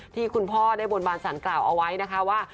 ที่คุณพ่อได้บนบานสารกล่าวเอาไว้นะคะว่า